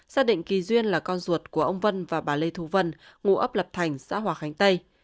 xác định kỳ duyên là con ruột của ông vân và bà lê thu vân ngụ ấp lập thành xã hòa khánh tây